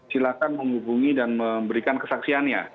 silahkan menghubungi dan memberikan kesaksiannya